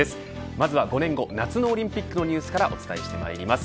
まずは５年後夏のオリンピックのニュースからお伝えしまいります。